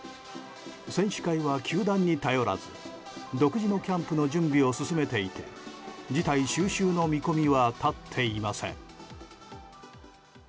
選手会は球団に頼らず独自のキャンプの準備を進めていて事態収拾の見込みは立っていません。